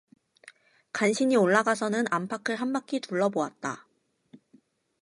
간신히 올라가서는 안팎을 한 바퀴 둘러보았다.